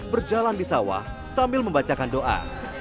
berjalan di sawah sambil membacakan doa